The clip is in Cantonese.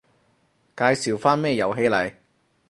介紹返咩遊戲嚟